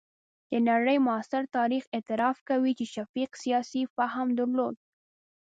د نړۍ معاصر تاریخ اعتراف کوي چې شفیق سیاسي فهم درلود.